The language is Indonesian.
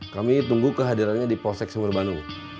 kami tunggu kehadirannya di posex sumerbanu